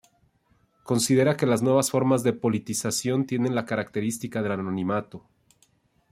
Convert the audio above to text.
Considera que las nuevas formas de politización tienen la característica del anonimato.